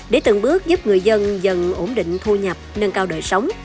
để từng bước giúp người dân dần ổn định thu nhập nâng cao đời sống